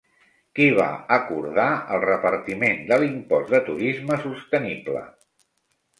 Qui va acordar el repartiment de l'impost de turisme sostenible?